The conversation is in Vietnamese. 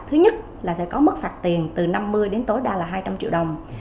thứ nhất là sẽ có mức phạt tiền từ năm mươi đến tối đa là hai trăm linh triệu đồng